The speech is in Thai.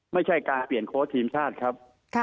ไม่ใช่การเปลี่ยนโค้ชทีมชาติครับ